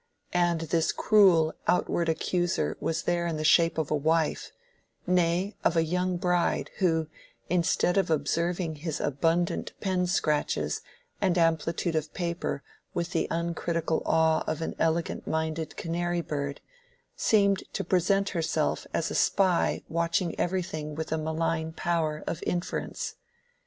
And this cruel outward accuser was there in the shape of a wife—nay, of a young bride, who, instead of observing his abundant pen scratches and amplitude of paper with the uncritical awe of an elegant minded canary bird, seemed to present herself as a spy watching everything with a malign power of inference.